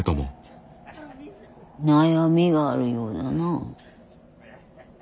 悩みがあるようだな。